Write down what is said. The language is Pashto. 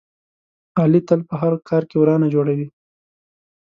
علي تل په هر کار کې ورانه جوړوي.